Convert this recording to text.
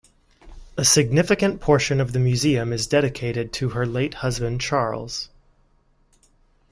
A significant portion of the museum is dedicated to her late husband Charles.